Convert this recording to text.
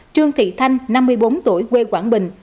trương thị thanh năm mươi bốn tuổi quê quảng bình